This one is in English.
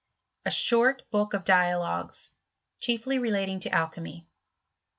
A ^lort Book of Diakgues. Chiefly idatinp to alchymy. lt>.